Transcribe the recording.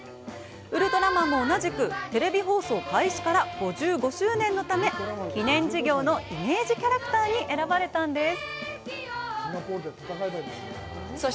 ウルトラマンも同じく、テレビ放送開始から５５周年のため、記念事業のイメージキャラクターに選ばれたんです。